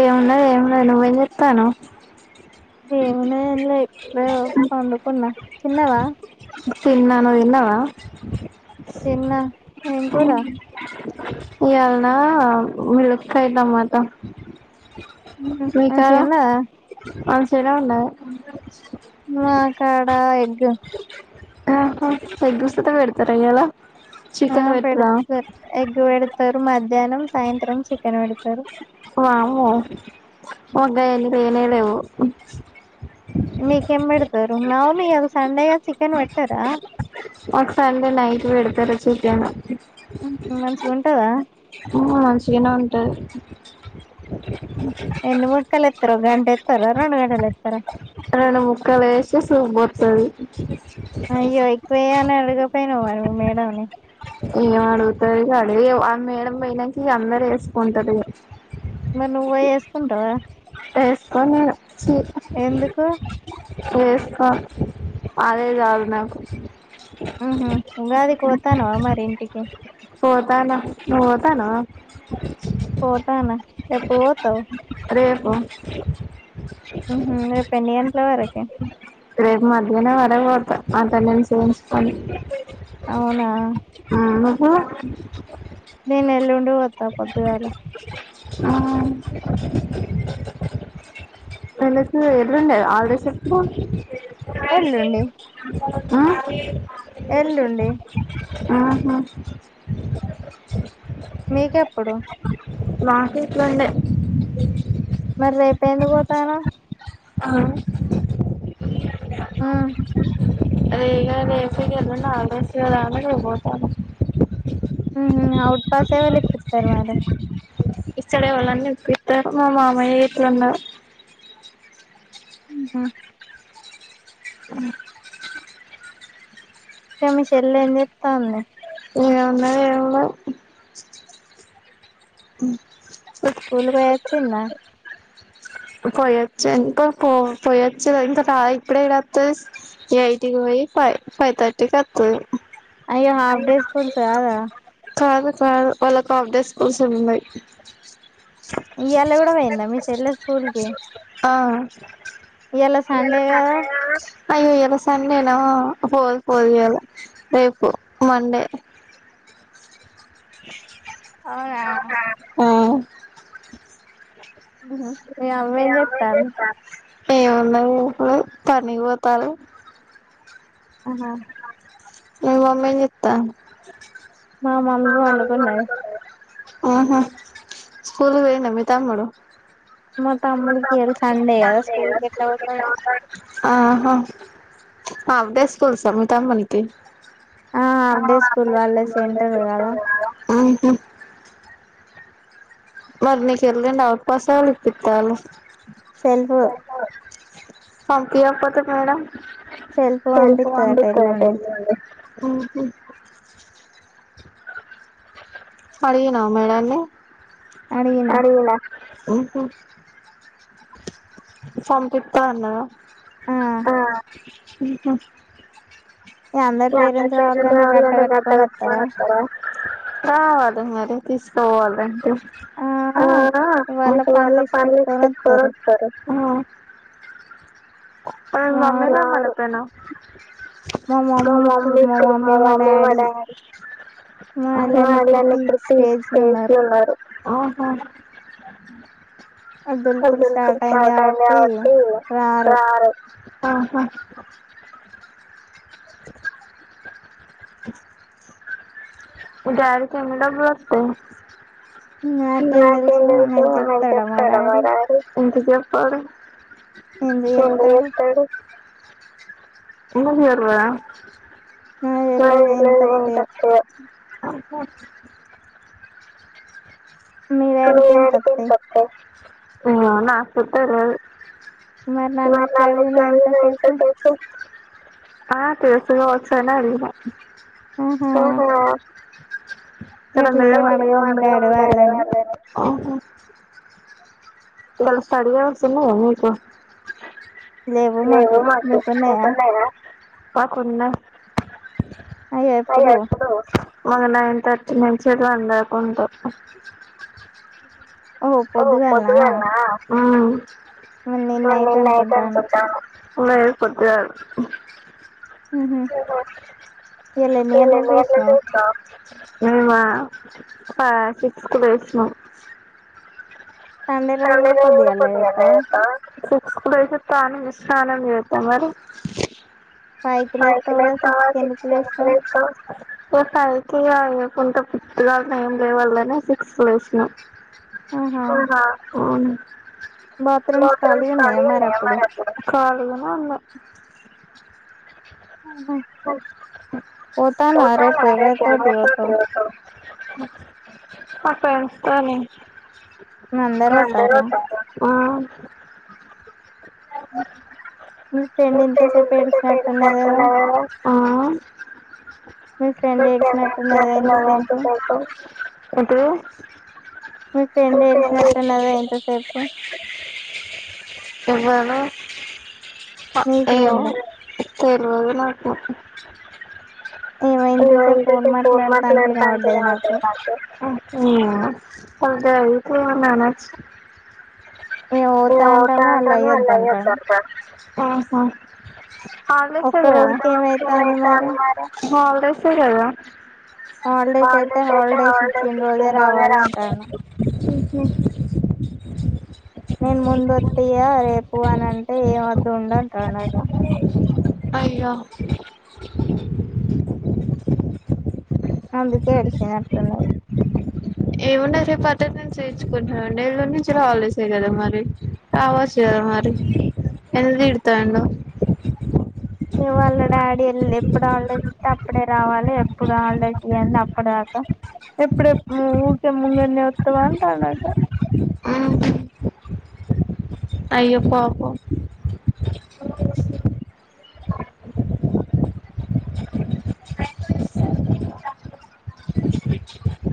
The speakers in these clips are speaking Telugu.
ఏ ఉన్నది ఎం నువ్వేం చేతన్నావ్ ఏం ఉన్నది ఎమ్ లే ఇప్పుడే పండుకున్న తిన్నవా [inaudible] అ ఇయ్యలనా మిలు మిరక్కయ్ టమాటా మీకార అ తినండే మాకాడ ఎగ్ ఆహ ఎగ్గుసుతో పెడుతరా ఇయ్యాల ఆ పెడతరు ఎగ్ వెడతారు మధ్య మధ్యాహ్నం సాయంత్రం చికెన్ పెడుతారు అ డైలీ లేనే లేవు మీకు ఏం బెడతారు [unintelligible] సండే గదా చికెన్ పెట్టారా మాకు సండే నైట్ పెడుతరు చికెన్ ను ఉమ్ మంచిగా ఉంటందా ఉమ్ మంచిగనే ఉంటది ఎన్ని ముక్కలు ఏత్తరో గెంటె కి ఏత్తరా రెండు గెంటలేత్తర రెండు ముక్కలు ఏసి సూప్ పోత్తరు అయ్యో ఎక్కువ ఏయ్ అని అడగపోయినావు ను మీ మేడం ని ఏం అడుగుతవ్ ఇగ అడిగే ఆ మేడం పోయినంక ఇగ అందరు వేసుకుంటరు ఇగ మరి నువ్ పోయి ఏసుకుంటావా ఎస్కో ఇగ ఛీ వేస్తా అదే చాల్ నాకు ఉహు ఉగాదికి పోతానవ అ మరి ఇంటికి పోతనా నువ్వు పోతానవా పోతానా కు ఉహు రేపు ఎన్ని గట్ల వరకె రేపు మధ్యాహ్నం అడగ బడతా అటెండెన్స్ వేయించుకుని ఉహు ఇంగా పోతా పొద్దుగాల ఆ [unintelligible] ఎదురుండాయి హాలిడేస్ ఎప్పుడు ఆ ఎల్లుండి ఆహా మీక్ ఎప్పుడు మాకి ఇట్లుడే అ రేయి గా వెళ ఆస్ కదాని ఇపోతాను మ్మ్ హు అవ్ ప్పసేవళ పిత్తారు మాల ఇక్కడ ఎవళ్ళని ఎప్పత మా మామయ్య ఎట్లున్నారు ఉమ్ ఉమ్ ఇంకా మీ చెల్లె ఏం చెస్తా ఉంది ఏ అన్న ఎమ్ అ స్కూల్ గోయ్ చిన్న పోయచ్చు ఇంకా పో పోయొచ్చు ఇంకా రా ఇప్పుడే రాతు ఎయిట్కి పోయి ఫైవ్ ఫైవ్ థర్టీకి వతుది అయ్యో హాఫ్ డేస్ కొంచం కాదా కాదు కాదు వాళ్ళకు అప్డేట్స్ కూల్స్ ఉన్నాయి ఇ ఎలా కూడా పోయిందా మీ షెల్లె స్కూల్ ఎ ఆ ఎలా సండేగాదా అయ్యో ఎ్యవసాం లేనా ఫోల్ పోదిల రేపు మండే అవునా అమే చెస్తాను ఏమున్నా ఇప్పుడు పనిపోతారు ఆహా ఈ మమే చెత్తా మా మందు వండుకున్నా ఆహ స్కూల్ వె నమ్మి తా మడు అప్పుడేసుకల్ సా మీ త మనకి కు మరినీకల్ం అవుట్ పస వెల పిత్తాల కమా పంపీయకపోతే మేడం తెల్సు అని [unintelligible] పొయ్యేటోల్లే ఆహ అడిగినవ మేడన్ని అడిగినా మ్మ్ హ్మ్ పంపిత్త అన్నదా ఆ మ్మ్ హ్మ్ అందరి పేరెంట్ కావల్లంటే అట్లే పెట్టుకొనొత్తర రావాలి మరి తీసుకోవాలంటే ఆ వాళ్ళ పనులిసి పెట్టుకొని వత్తరు ఓ రారు మా మమ్మీ ఇపుడు మా మమ్మీ మా డాడీ వాళ్ళన్నప్పుడు [unintelligible] ఉన్నారు ఆ అబ్దుల్ కులూసబ్ [unintelligible] కాబట్టి రారు ఆహా డాడీకేమో డబ్బులొస్తాయి ఇంత సేప్ ప్పడు [unintelligible] చేస్తడు [unintelligible] మా [unintelligible] మ నువ్వు ఏడిపించొత్తవ్ నో నాకుట్టదు మరి నన్న [unintelligible] ఆ తెలుసుగా వచ్చనే అడిగినా మ్మ్ హ్మ్ గిట్లేం అడగం డాడీ వాళ్ళని ఆ హ ఇవలా స్టడీ అవర్స్ ఉన్నాయా మీకు నువ్వు మా కుష్ కు పుట్టలేదా కాకున్నా అయ్ ఎపుడోస్ మళ్ళా నైన్ థర్టీ నుంచి ఇలా అందకుంటా ఉ ఓ పొద్దుగాల్ నా హ్మ్ కోను నేను నైట్ అనుకుంటానా లేదు పొద్దుగాల ఆహా ఇయాల ఎన్ని గంటలకు లేత్తావు మీ మా హ సిక్స్ కు లేసినం సండే రోజు కూడా పొద్దుగాలనే లేత్తవా ఇంగ ఇప్పుడు తానం స్నానం జేయ్యద్ద మరీ ఫైక్ లేస్తా సిక్స్కు చేస్తా ఓ ఫైవ్ కి అవకుంట పొద్దుగాల నే ఏం లేవల్లని సిక్స్ లేసినా ఓహా కోను బాత్రూమ్స్ ఖాళీగా ఉన్నాయా మరి అప్పుడు పోతన రేపు ఎవరితోటి పోతావ్ అప్పేస్థాని అంద రత్త రన్ ఆ చూతే ఈమె ఇంతసేపు ఏడ్చినట్టు ఉన్నది కదా ఆ మీ ఫ్రెండ్ ఏడ్చినట్టున్నదే ఇంతసేపు బ మీ ఫ్రెండ్ ఏడిచినట్టు ఉన్నది గా ఇంతసేపు ఎవనో హ ఏమో తెలువదు నాక్ ఓకే ఏమో ఇంతసేపు ఫోన్ మాట్లాడుతాంటే వినవడ్డది నాకు అదే అయితే నానచ్చ ఇ ఓటంటనే అలాయ సర్తారు ఆహా అవ లిస్తంది కద మ్మ్ తూగుతుంది మరి ఆవలిస్తంది కదా హాలిడేస్ అయితే హాలిడేస్ ఇచ్చిన రోజే రావాల అంటాను మ్మ్ నేను ముందొత్తియ రేపు అనింటే ఏం వద్దు ఉండ అంటా అన్నట అయ్యో అందుకే ఎడిసినట్టుంది అది ఏముండదు రేపు అట్టెడెన్స్ ఎయిర్చుకుంటా చేర్చుకుంటానండి ఎరు నుంచి రవాలేసాయి కదా మరి రావాచ్చ కదా మరి ఎంత తిడతాడి ఇ వాళ్ళ డాడీ ఎల్ ఎప్పుడు హాలిడేస్ ఇస్తే అప్పుడే రావాలి ఎప్పుడు ఎప్పుడూ హాలిడేస్ అప్పుడ దాకా ఎప్పుడ ఊరిక ము నిన్న ఉత్తమ అంటా అన్నడుటు అయ్యో పాపం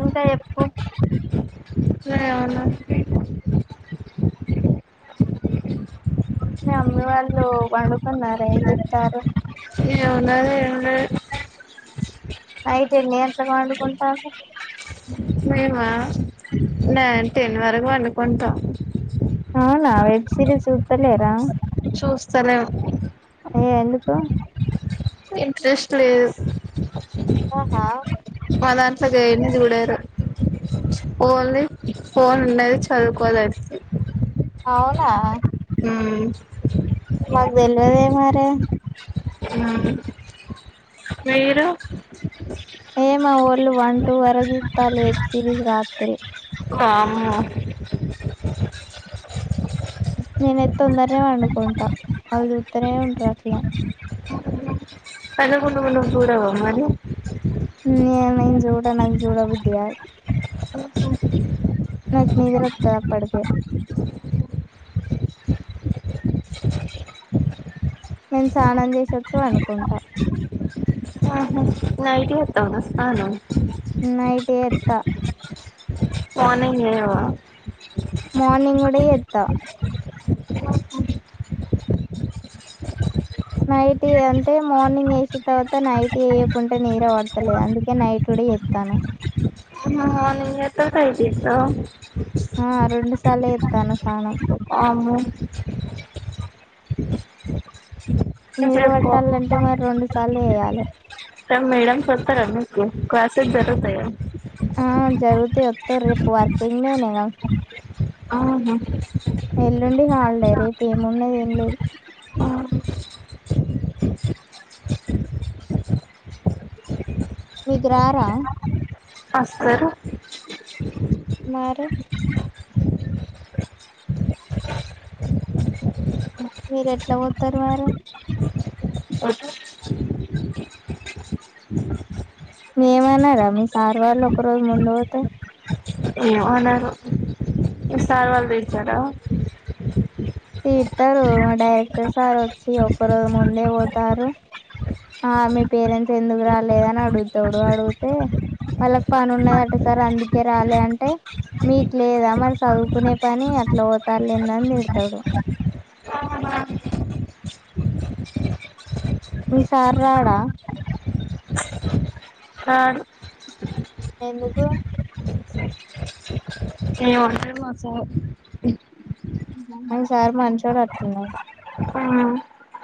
ఇంకా ఎప్పు న ఉన్నా మీ మమ్మి వాళ్ళు వండుకున్నారు ఏం తిప్తారు ఏమున్నది ఏమున్నది అయితే నేనెట్ల పండుకుంటాను మేమ నే టెన్ వరకు వండుకుంటాం అవునా వెబ్ సిరీసు చుత్తలేర చూస్తలే ఏ ఎందుకు ఇంట్రెస్ట్ లేదు మదాన్ సగ ఎది గుడారు ఓన్లీ ఫోన్ ఉన్నది చదువుకో దానికి అవునా ఆ మాకు తేల్వదే మరి మ్మ్ మీరు ఏం మా వళ్ల్ వన్ టూ వరగు సూత్తల్లు వెబ్సిరీస్ రాత్రి [inaudible] నేనైత్ తొందరే పండుకుంట వాళ్ళు చూత్తనే ఉంటారు అట్లే పదకుం మనం చూడవం మరి నేనెన్ చూడ నాకు చూడ బుద్ధి కాదు నకు నీదిరుత్త అప్పటికే మేము స్నానం చేసొచ్చు పనుకుంట నైట్ ఎత్తాను స్థానం త్త మార్నింగ్ లెయ్యవ మార్ర్నింగ్ కూడ చేత్త నైటీ అంటే మార్నింగ్ వేసిన తర్వాత నైట్ వేయకుంటే నిదర పడతలేదు అందుకే నైట్ కూడ ఏత్తాను [inaudible] ఆ రెండు తల ఎత్తన సానం అమ్మో నీరు పట్టాలంటే మరి రెండు సార్లు వేయాలి నాకు మేడమ్ [unintelligible] క్లాసెస్ జరుగుతాయ సర్ రేపు వర్కింగ్ డేనే నా అవును ఎల్లుండి హాలిడే రేపు ఏముండది ఏం లేదు మీకు రారా అస్తరు మరి మీర ఎట్లా పోతారు మార [inaudible] ఏమనరా మీ సార్ వాళ్ళు ఒక రోజు ముందు పోతే అనరు సార్ వాళ్ళు తెచ్చారా తీడ్తారు మా డైరెక్టర్ సార్ వచ్చి ఒకరోజు ముందే పోతారు ఆ మీ పేరెంట్స్ ఎందుకు రాలేదని అడుగుతాడు అడిగితే వాళ్ళకి పని ఉన్నదట్ట సార్ అందుకే రాలే అంటే మీకు లేదా మరి చదువుకునే పని అట్లా పోత లేందని తిడతాడు మీసార్ రాడా రారు ఎందుకు త్రీ అవర్ వచ్చింది మీ సార్ మంచోడు ఉన్నట్టున్నాడు ఆ